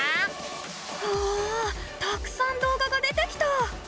うわたくさん動画が出てきた！